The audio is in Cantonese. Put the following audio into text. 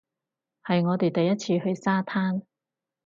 係我哋第一次去沙灘